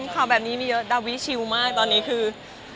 ข่าวแบบนี้มีเยอะดาวิชิวมากตอนนี้คือ